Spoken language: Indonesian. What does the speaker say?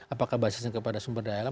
apakah basisnya kepada sumber daya